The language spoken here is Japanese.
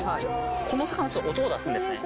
この魚音を出すんですね。